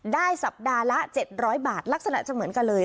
สัปดาห์ละ๗๐๐บาทลักษณะจะเหมือนกันเลย